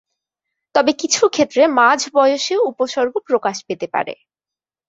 তবে কিছু ক্ষেত্রে মাঝ বয়সেও উপসর্গ প্রকাশ পেতে পারে।